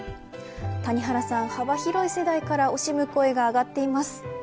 幅広い世代から惜しむ声が上がっています。